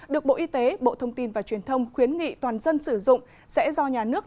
được bộ y tế bộ thông tin và truyền thông khuyến nghị toàn dân sử dụng sẽ do nhà nước